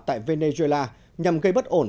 tại venezuela nhằm gây bất ổn